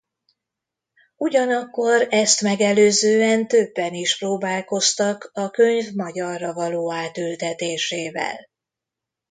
Ugyanakkor ezt megelőzően többen is próbálkoztak a könyv magyarra való átültetésével.